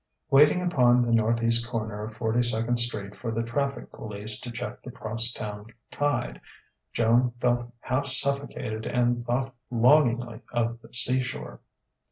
Waiting upon the northeast corner of Forty second Street for the traffic police to check the cross town tide, Joan felt half suffocated and thought longingly of the seashore....